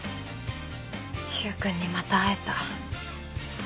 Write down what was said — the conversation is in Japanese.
柊君にまた会えた。